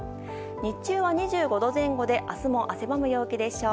日中は２５度前後で明日も汗ばむ陽気でしょう。